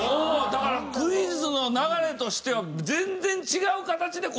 だからクイズの流れとしては全然違う形で答えて。